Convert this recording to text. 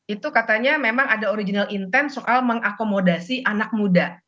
itu katanya memang ada original intent soal mengakomodasi anak muda